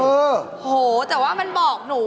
โอ้โหแต่ว่ามันบอกหนู